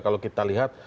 kalau kita lihat